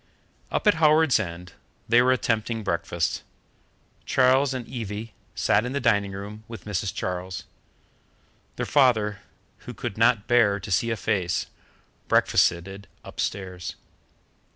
Up at Howards End they were attempting breakfast. Charles and Evie sat in the dining room, with Mrs. Charles. Their father, who could not bear to see a face, breakfasted upstairs.